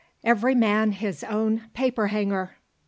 Every Man His Own Paper Hanger.